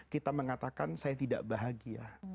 kita mengatakan saya tidak bahagia